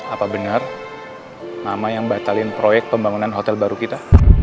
apa benar nama yang batalin proyek pembangunan hotel baru kita